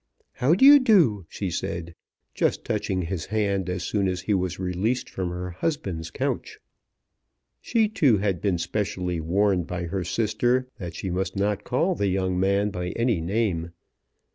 "How do you do?" she said, just touching his hand as soon as he was released from her husband's couch. She, too, had been specially warned by her sister that she must not call the young man by any name.